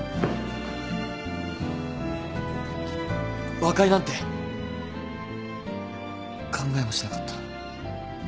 和解なんて考えもしなかった。